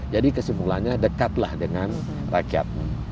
jadi kesimpulannya dekatlah dengan rakyatmu